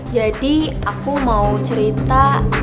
jadi aku mau cerita